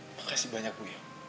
makasih banyak bu